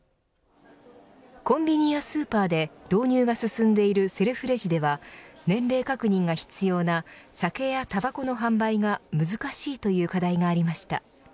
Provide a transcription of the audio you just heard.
コンビニやスーパーで導入が進んでいるセルフレジでは年齢確認が必要な酒やたばこの販売が難しいという課題がありました。